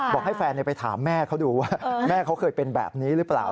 บอกให้แฟนไปถามแม่เขาดูว่าแม่เขาเคยเป็นแบบนี้หรือเปล่า